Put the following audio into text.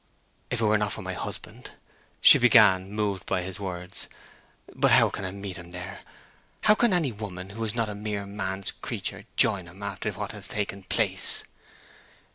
"If it were not for my husband—" she began, moved by his words. "But how can I meet him there? How can any woman who is not a mere man's creature join him after what has taken place?"